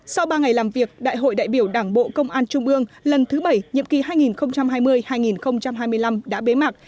sau ba ngày làm việc đại hội đại biểu đảng bộ công an trung ương lần thứ bảy nhiệm kỳ hai nghìn hai mươi hai nghìn hai mươi năm đã bế mạc